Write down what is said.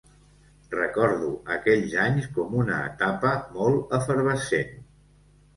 Recordo aquells anys com una etapa molt efervescent.